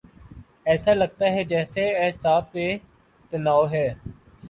ایسا لگتاہے جیسے اعصاب پہ تناؤ ہے۔